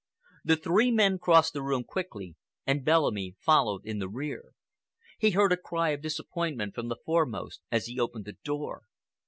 The three men crossed the room quickly and Bellamy followed in the rear. He heard a cry of disappointment from the foremost as he opened the door.